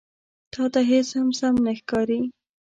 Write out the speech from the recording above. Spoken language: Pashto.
_تاته هېڅ هم سم نه ښکاري.